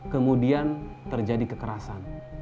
kemudian terjadi kekerasan